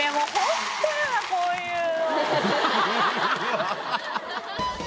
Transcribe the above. こういうの。